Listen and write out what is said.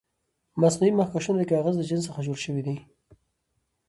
مصنوعي مخکشونه د کاغذ له جنس څخه جوړ شوي دي.